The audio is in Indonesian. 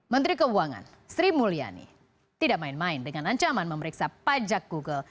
menteri keuangan sri mulyani tidak main main dengan ancaman memeriksa pajak google